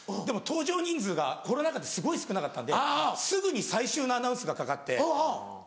でも搭乗人数がコロナ禍ですごい少なかったんですぐに最終のアナウンスがかかって。